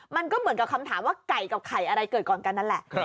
มันก็เหมือนกับคำถามว่าไก่กับไข่อะไรเกิดก่อนกันนั่นแหละ